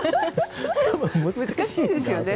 多分、難しいですよね。